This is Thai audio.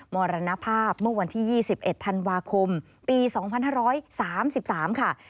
มรณภาพเมื่อวันที่๒๑ธันวาคมปี๒๕๓๓ค่ะ